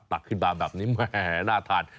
ปรักขึ้นมาแบบนี้หน้าทาน